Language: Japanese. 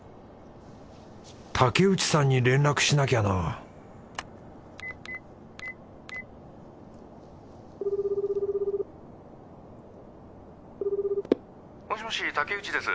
竹内さんに連絡しなきゃなもしもし竹内です。